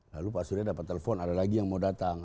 lalu pak surya dapat telepon ada lagi yang mau datang